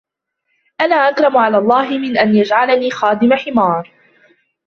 أَنَا أَكْرَمُ عَلَى اللَّهِ مِنْ أَنْ يَجْعَلَنِي خَادِمَ حِمَارٍ